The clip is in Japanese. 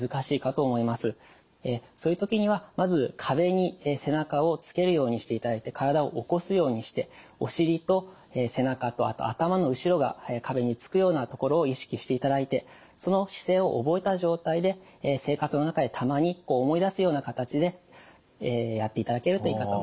そういう時にはまず壁に背中をつけるようにしていただいて体を起こすようにしてお尻と背中とあと頭の後ろが壁につくようなところを意識していただいてその姿勢を覚えた状態で生活の中でたまに思い出すような形でやっていただけるといいかと思います。